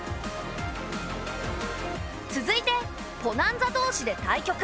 続いてポナンザ同士で対局。